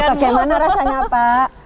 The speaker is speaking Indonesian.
bagaimana rasanya pak